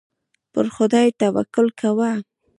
پر خدای توکل کوه.